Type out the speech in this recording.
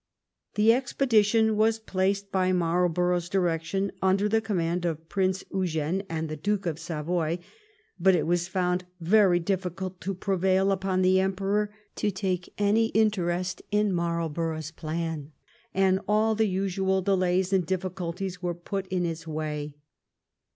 The expedition was placed by Marlborough's direc tion under the command of Prince Eugene and the Duke of Savoy. But it was found very difficult to prevail upon the Emperor to take any interest in Marl borough's plan, and all the usual delays and difficul* ties were put in its way.